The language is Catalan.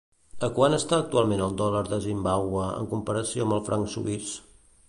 A quant està actualment el dòlar de Zimbàbue en comparació amb el franc suís?